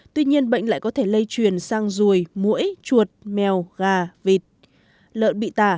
tuy nhiên bệnh lại có thể lây truyền sang ruồi muỗi chuột mèo gà vịt